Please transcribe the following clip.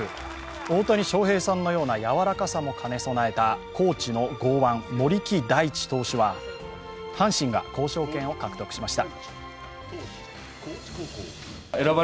大谷翔平さんのような柔らかさも兼ね備えた高知の剛腕・森木大智投手は阪神が交渉権を獲得しました。